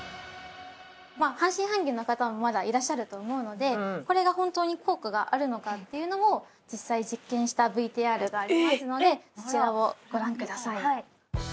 半信半疑の方もまだいらっしゃると思うのでこれが本当に効果があるのかっていうのを実際実験したＶＴＲがありますのでそちらをご覧ください。